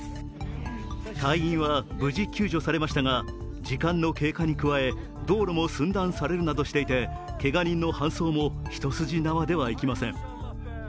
隊員は無事、救助されましたが時間の経過に加え道路も寸断されるなどしていて、けが人の搬送も一筋縄ではいきません。